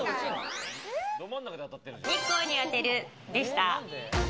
日光に当てるでした。